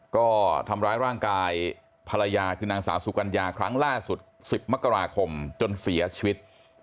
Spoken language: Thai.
ก็ทำร้ายร่างกายภรรยาคือนางสาวสุกัญญาครั้งล่าสุด๑๐มกราคมจนเสียชีวิต